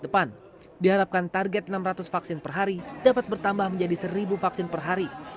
depan diharapkan target enam ratus vaksin per hari dapat bertambah menjadi seribu vaksin per hari